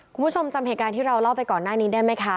คุณผู้ชมจำเหตุการณ์ที่เราเล่าไปก่อนหน้านี้ได้ไหมคะ